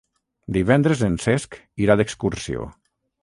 Divendres en Cesc irà d'excursió.